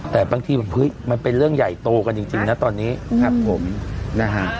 แต่บางทีมันเป็นเรื่องใหญ่โตกันจริงนะตอนนี้ครับผมนะฮะ